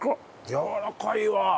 やわらかいわ！